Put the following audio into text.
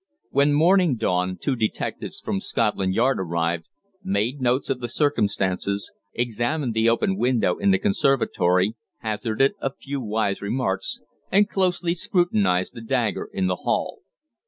When morning dawned two detectives from Scotland Yard arrived, made notes of the circumstances, examined the open window in the conservatory, hazarded a few wise remarks, and closely scrutinised the dagger in the hall.